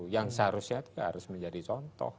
yang seharusnya juga harus menjadi contoh